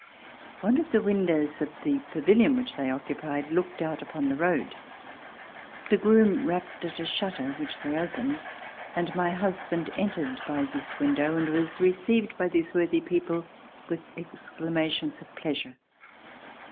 One of the windows of the pavilion which they occupied looked out upon the road. The groom rapped at a shutter, which they opened, and my husband entered by this window, and was received by these worthy people with exclamations of pleasure.